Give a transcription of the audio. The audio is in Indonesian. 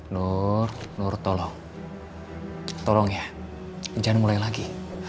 nur nur tolong tolong ya jangan mulai lagi